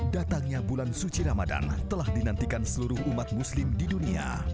datangnya bulan suci ramadan telah dinantikan seluruh umat muslim di dunia